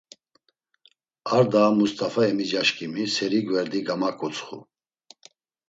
Ar daa Must̆afa emicaşǩimi seri gverdi gamaǩutsxu.